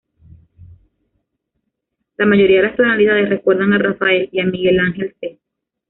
La mayoría de las tonalidades recuerdan a Rafael y a Miguel Ángel.c